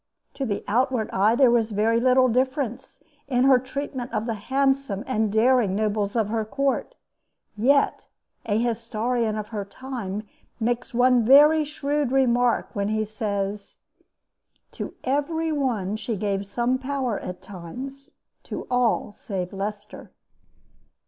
To the outward eye there was very little difference in her treatment of the handsome and daring nobles of her court; yet a historian of her time makes one very shrewd remark when he says: "To every one she gave some power at times to all save Leicester."